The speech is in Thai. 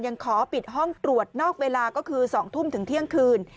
ขอปิดห้องตรวจนอกเวลาก็คือ๒ทุ่มถึงเที่ยงคืน